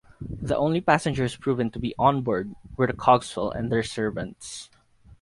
The only passengers proven to be on board were the Cogswells and their servants.